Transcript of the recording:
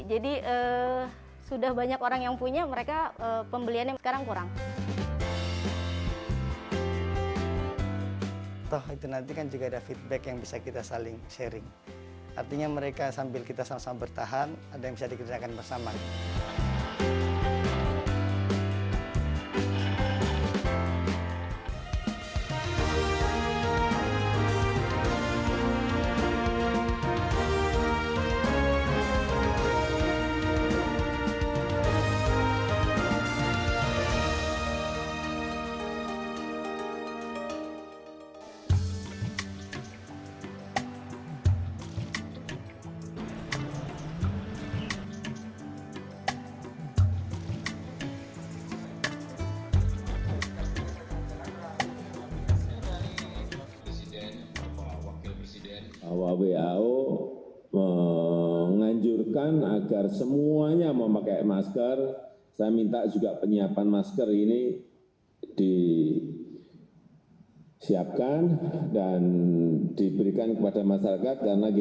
jadi sudah banyak orang yang punya mereka pembeliannya sekarang kurang